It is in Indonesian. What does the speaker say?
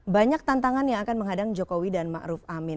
banyak tantangan yang akan menghadang jokowi dan ma'ruf amin